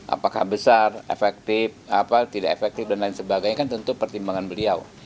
apakah besar efektif tidak efektif dan lain sebagainya kan tentu pertimbangan beliau